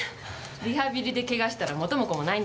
リハビリでケガしたら元も子もないんだから。